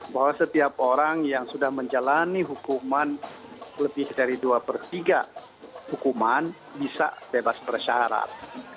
bahwa setiap orang yang sudah menjalani hukuman lebih dari dua per tiga hukuman bisa bebas bersyarat